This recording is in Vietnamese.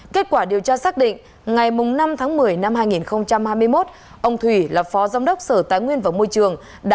kết quả điều tra xác định ngày năm tháng một mươi năm hai nghìn hai mươi một ông thủy là phó giám đốc sở tài nguyên và môi trường